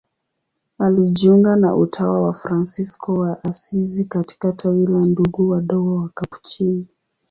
Alijiunga na utawa wa Fransisko wa Asizi katika tawi la Ndugu Wadogo Wakapuchini.